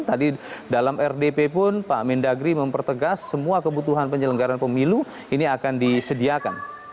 tadi dalam rdp pun pak mendagri mempertegas semua kebutuhan penyelenggaran pemilu ini akan disediakan